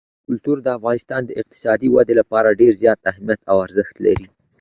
کلتور د افغانستان د اقتصادي ودې لپاره ډېر زیات اهمیت او ارزښت لري.